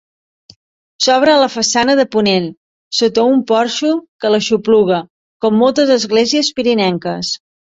S'obre a la façana de ponent, sota un porxo que l'aixopluga, com moltes esglésies pirinenques.